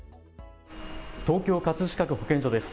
東京葛飾区保健所です。